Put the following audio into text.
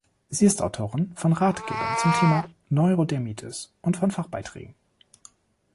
Sie ist Autorin von Ratgebern zum Thema Neurodermitis und von Fachbeiträgen.